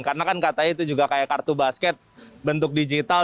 karena kan katanya itu juga kayak kartu basket bentuk digital